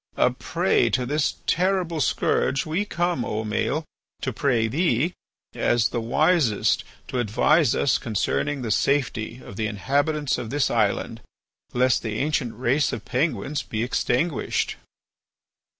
A prey to this terrible scourge, we come, O Maël, to pray thee, as the wisest, to advise us concerning the safety of the inhabitants of this island lest the ancient race of Penguins be extinguished."